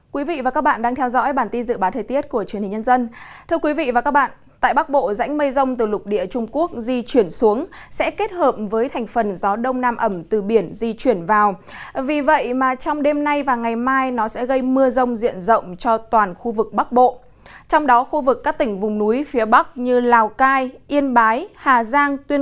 các bạn hãy đăng ký kênh để ủng hộ kênh của chúng mình nhé